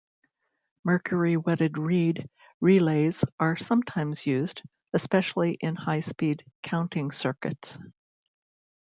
Mercury-wetted reed relays are sometimes used, especially in high-speed counting circuits.